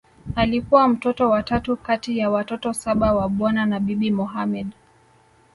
Alikuwa mtoto wa tatu kati ya watoto saba wa Bwana na Bibi Mohamed